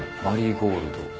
マリーゴールド。